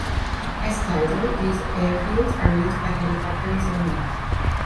As titled, these airfields are used by helicopters only.